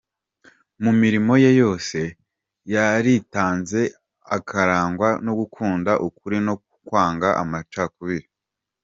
Mu mirimo ye yose yaritanze akarangwa no gukunda ukuri no kwanga amacakubiri.